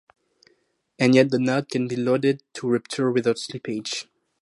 And yet the knot can be loaded to rupture without slippage.